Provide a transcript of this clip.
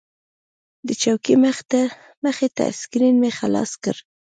د چوکۍ مخې ته سکرین مې خلاص کړ.